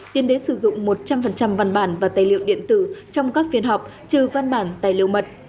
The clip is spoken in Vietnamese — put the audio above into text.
tiến đến sử dụng một trăm linh văn bản và tài liệu điện tử trong các phiên họp trừ văn bản tài liệu mật